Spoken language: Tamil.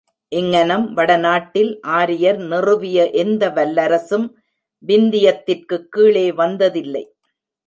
இங்ஙனம் வடநாட்டில் ஆரியர் நிறுவிய எந்த வல்லரசும் விந்தியத்திற்குக் கீழே வந்ததில்லை.